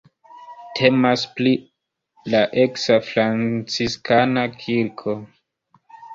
Temas pri la eksa franciskana kirko.